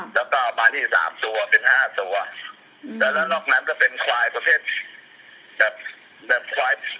แล้วก็มาที่สามตัวเป็นห้าตัวแล้วแล้วนอกนั้นก็เป็นควายประเภทแบบควาย